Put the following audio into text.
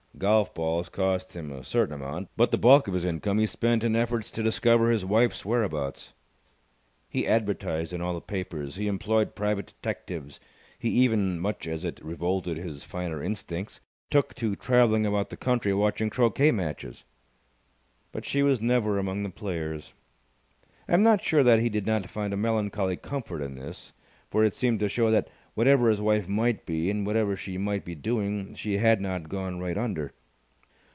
Golf balls cost him a certain amount, but the bulk of his income he spent in efforts to discover his wife's whereabouts. He advertised in all the papers. He employed private detectives. He even, much as it revolted his finer instincts, took to travelling about the country, watching croquet matches. But she was never among the players. I am not sure that he did not find a melancholy comfort in this, for it seemed to show that, whatever his wife might be and whatever she might be doing, she had not gone right under.